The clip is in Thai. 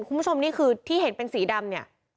คุณผู้ชมนี่คือที่เห็นเป็นสีดำเนี่ย